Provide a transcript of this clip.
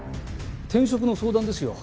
転職の相談ですよ。